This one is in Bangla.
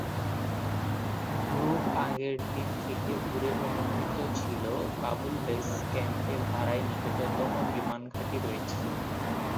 গ্রুপ আগের দিন থেকে উড়ে অনুমিত ছিল কাবুল বেস ক্যাম্পে ভাড়ায় নিকটতম বিমানঘাঁটি রয়েছে।